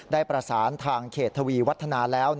ได้ประสานทางเขตทวีวัฒนาแล้ว